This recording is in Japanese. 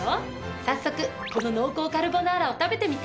早速この濃厚カルボナーラを食べてみて！